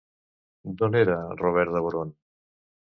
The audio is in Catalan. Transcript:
D'on era Robert de Boron?